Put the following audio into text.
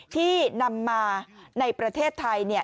ที่นำมาในประเทศไทย